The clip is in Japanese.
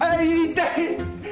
痛い！